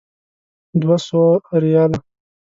دوه سوه ریاله.